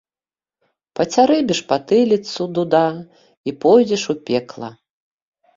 Пацярэбіш патыліцу, дуда, і пойдзеш у пекла.